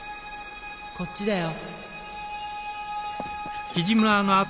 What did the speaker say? こっちだよ！